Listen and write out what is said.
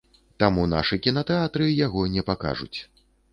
Таму нашы кінатэатры яго не пакажуць.